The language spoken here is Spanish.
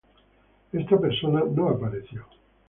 Esta persona no apareció.